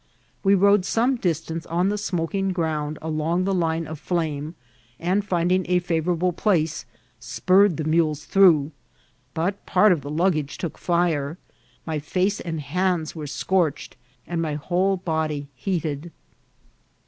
We rode some distance on the smoking ground along the line of flame, and finding a favourable place, qnurred the mules through ; but part of the luggage iock fire, my face and hands were scorched, and my whole body heated.